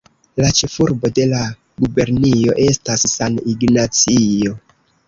La ĉefurbo de la gubernio estas San Ignacio.